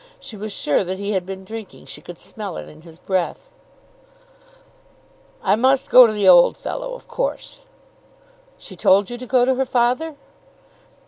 She was sure that he had been drinking. She could smell it in his breath. "I must go to the old fellow, of course." "She told you to go to her father?"